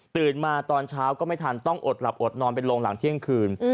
มาตอนเช้าก็ไม่ทันต้องอดหลับอดนอนเป็นโรงหลังเที่ยงคืน